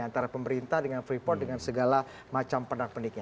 antara pemerintah dengan freeport dengan segala macam penarpeniknya